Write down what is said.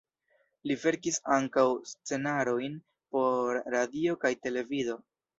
Li verkis ankaŭ scenarojn por radio kaj televido.